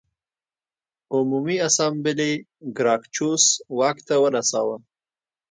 عمومي اسامبلې ګراکچوس واک ته ورساوه